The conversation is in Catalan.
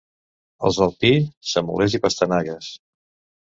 Els del Pi, semolers i pastanagues.